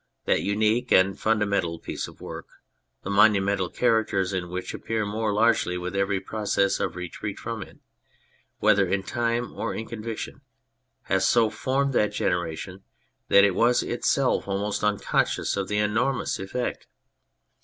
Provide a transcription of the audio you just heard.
That unique and fundamental piece of work, the monumental characters in which appear more largely with every process of retreat from it, whether in time or in conviction, has so formed that generation that it was itself almost unconscious of the enormous effect.